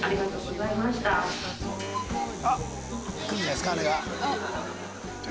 くるんじゃないですかあれが。